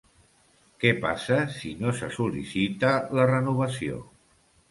Què passa si no se sol·licita la renovació?